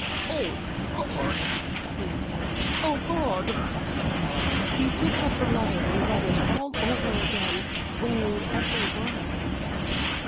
"Oh, God!" he said. "Oh, God!" He picked up the letter and read it all over again, weighing every word.